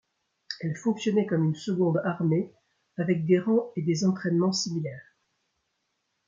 Elle fonctionnait comme une seconde armée avec des rangs et des entraînements similaires.